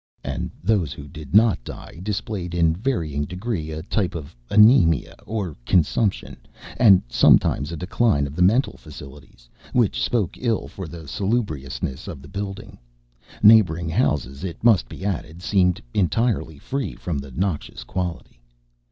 And those who did not die displayed in varying degree a type of anemia or consumption, and sometimes a decline of the mental faculties, which spoke ill for the salubriousness of the building. Neighboring houses, it must be added, seemed entirely free from the noxious quality.